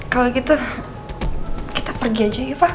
kalau gitu kita pergi aja ya pak